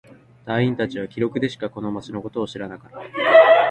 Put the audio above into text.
隊員達は記録でしかこの町のことを知らなかった。